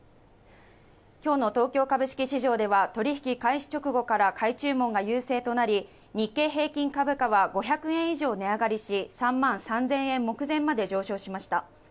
今日の東京株式市場では取引開始直後から買い注文が優勢となり、日経平均株価は５００円以上値上がりし、３万３０００円目前まで上昇しました。